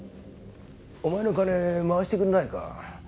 お前の金回してくれないか？